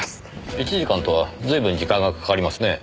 １時間とは随分時間がかかりますねえ。